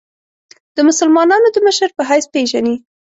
د مسلمانانو د مشر په حیث پېژني.